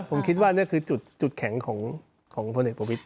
ผมคิดว่านี่คือจุดแข็งของพลเอกประวิทย